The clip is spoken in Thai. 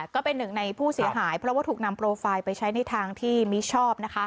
ก็เป็นหนึ่งในผู้เสียหายเพราะว่าถูกนำโปรไฟล์ไปใช้ในทางที่มิชอบ